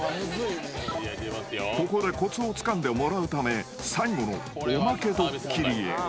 ［ここでコツをつかんでもらうため最後のおまけドッキリへ］